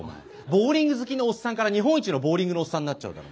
ボウリング好きのおっさんから日本一のボウリングのおっさんになっちゃうだろ。